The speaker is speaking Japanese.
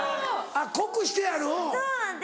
あっ濃くしてあるうん。